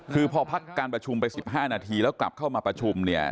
คือพอพักการประชุมไป๑๕นาทีแล้วกลับเข้ามาประชุมเนี่ย